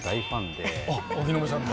荻野目さんの？